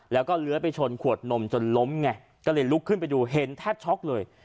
แล้วก็เลื้อยไปชนขวดนมจนล้มไงก็เลยลุกขึ้นไปดูเห็นแทบช็อกเลย